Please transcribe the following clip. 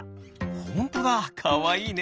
ほんとだかわいいね！